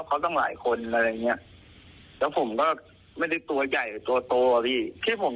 ไปไหนมาไหนของผมผมก็ไม่ได้ระแวง